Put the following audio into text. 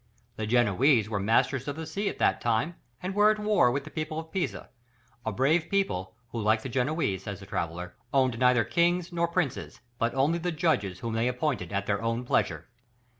The Genoese were masters of the sea at that time, and were at war with the people of Pisa, a brave people, who, like the Genoese, says the traveller, "owned neither kings nor princes, but only the judges whom they appointed at their own pleasure."